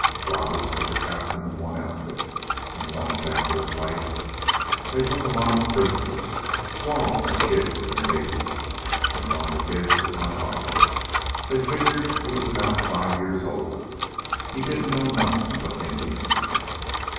Roberts was captain of one outfit, and once, after a fight, they took a lot of prisoners squaws, an' kids an' babies. An' one of the kids was my father. They figured he was about five years old. He didn't know nothin' but Indian."